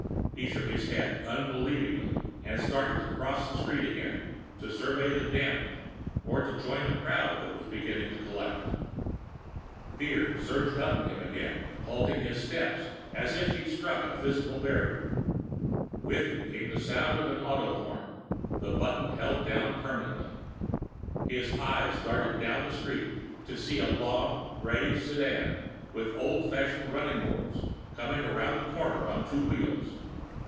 He shook his head, unbelieving, and started to cross the street again, to survey the damage or to join the crowd that was beginning to collect. The fear surged up in him again, halting his step as if he'd struck a physical barrier. With it came the sound of an auto horn, the button held down permanently. His eyes darted down the street, to see a long, gray sedan with old fashioned running boards come around the corner on two wheels.